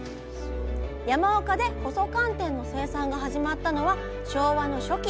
山岡で細寒天の生産が始まったのは昭和の初期。